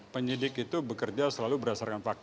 penyidik itu bekerja selalu berdasarkan fakta